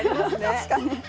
確かに。